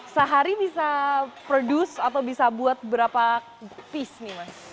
sehari bisa produce atau bisa buat berapa piece nih mas